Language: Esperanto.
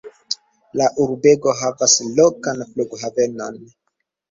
La urbego havas lokan flughavenon.